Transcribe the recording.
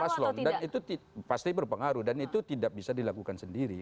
paslon dan itu pasti berpengaruh dan itu tidak bisa dilakukan sendiri